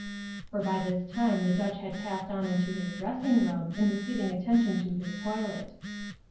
For by this time the Judge had passed on into his dressing room, and was giving attention to his toilet.